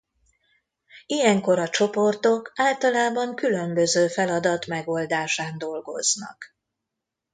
Ilyenkor a csoportok általában különböző feladat megoldásán dolgoznak.